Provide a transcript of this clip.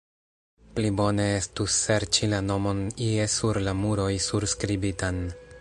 Pli bone estus serĉi la nomon ie sur la muroj surskribitan.